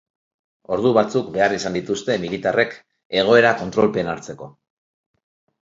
Ordu batzuk behar izan dituzte militarrek egoera kontrolpean hartzeko.